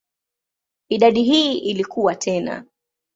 Idadi hii ilikua tena.